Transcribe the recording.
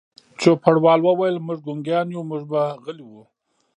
چوپړوال وویل: موږ ګونګیان یو، موږ به غلي وو.